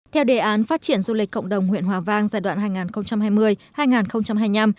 theo đề án phát triển du lịch cộng đồng huyện hòa vang giai đoạn hai nghìn hai mươi hai nghìn hai mươi năm